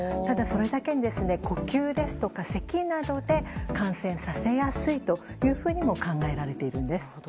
ただ、それだけに呼吸ですとか、せきなどで感染させやすいというふうにも考えられているんです。